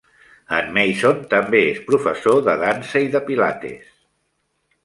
En Mason també és professor de dansa i de Pilates.